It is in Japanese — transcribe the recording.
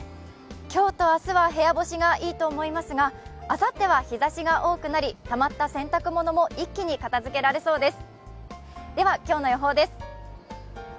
今日と明日は部屋干しがいいと思いますがあさっては日ざしが多くなり、たまった洗濯物も一気に片づけられそうです。